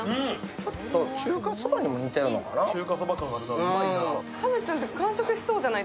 ちょっと中華そばにも似てるのかな？